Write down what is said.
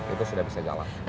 itu sudah bisa jalan